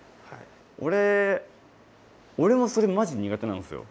俺俺もそれマジ苦手なんすよ。